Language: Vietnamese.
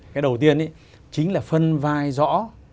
cái đầu tiên chính là phân vai rõ